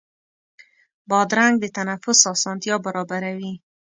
بادرنګ د تنفس اسانتیا برابروي.